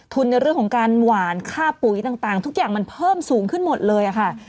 ในเรื่องของการหวานค่าปุ๋ยต่างทุกอย่างมันเพิ่มสูงขึ้นหมดเลยค่ะ